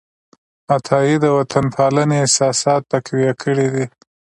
عطايي د وطنپالنې احساسات تقویه کړي دي.